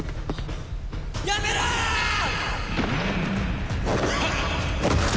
やめろーっ！